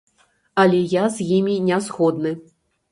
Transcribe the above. Але я з імі не згодны.